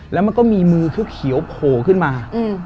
แล้วมันก็มีมือเขียวโผล่ขึ้นมา